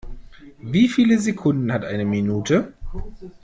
Wie viele Sekunden hat eine Minute?